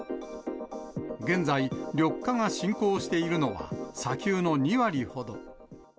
現在、緑化が進行しているのは砂丘の２割ほど。